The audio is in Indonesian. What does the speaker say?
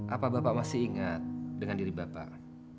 apa bapak masih ingat dengan diri bapak